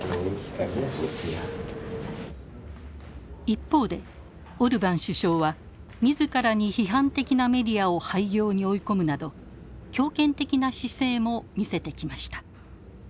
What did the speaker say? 一方でオルバン首相は自らに批判的なメディアを廃業に追い込むなど強権的な姿勢も見せてきました。